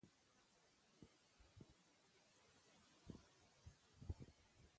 هر څه راته نوي او د کابل له چاپېریال څخه ډېر متفاوت ښکارېدل